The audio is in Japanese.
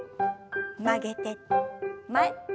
曲げて前。